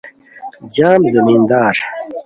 جم زمیندار